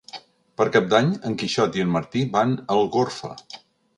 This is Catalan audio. Per Cap d'Any en Quixot i en Martí van a Algorfa.